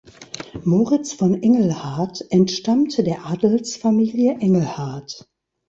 Moritz von Engelhardt entstammte der Adelsfamilie Engelhardt.